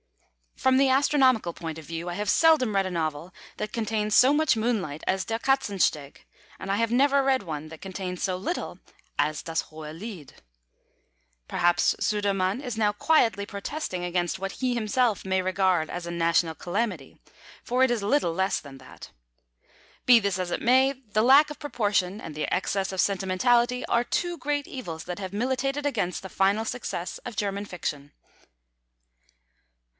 From the astronomical point of view, I have seldom read a novel that contained so much moonlight as Der Katzensteg, and I have never read one that contained so little as Das hohe Lied. Perhaps Sudermann is now quietly protesting against what he himself may regard as a national calamity, for it is little less than that. Be this as it may, the lack of proportion and the excess of sentimentality are two great evils that have militated against the final success of German fiction.